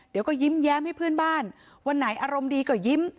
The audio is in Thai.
เดี๋ยวก็ยิ้มแย้มให้เพื่อนบ้านวันไหนอารมณ์ดีก็ยิ้ม